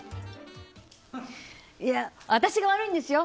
いや、私が悪いんですよ。